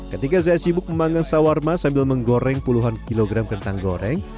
ketika saya sibuk memanggang sawarma sambil menggoreng puluhan kilogram kentang goreng